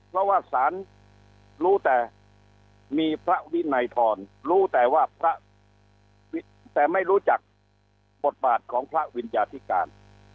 เพราะว่าศาลรู้แต่มีพระวินัยทรรู้แต่ว่าพระแต่ไม่รู้จักบทบาทของพระวิญญาธิการ